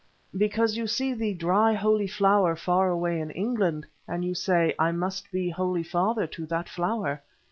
"Because you see the dry Holy Flower far away in England, and you say, 'I must be Holy Father to that Flower.